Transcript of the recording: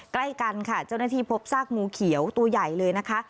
ใกล้กันค่ะเจ้าหน้าที่พบซากงูเขียวตัวใหญ่เลยนะคะ